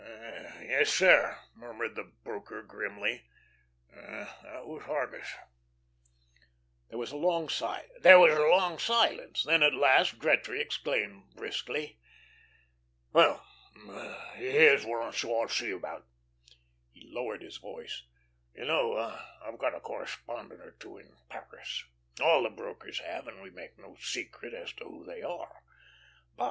"Yes, sir," muttered the broker grimly, "that was Hargus." There was a long silence. Then at last Gretry exclaimed briskly: "Well, here's what I want to see you about." He lowered his voice: "You know I've got a correspondent or two at Paris all the brokers have and we make no secret as to who they are.